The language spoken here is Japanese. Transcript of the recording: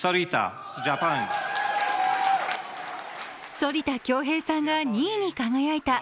反田恭平さんが２位に輝いた。